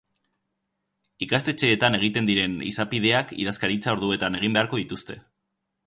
Ikastetxeetan egiten diren izapideak idazkaritza orduetan egin beharko dituzte.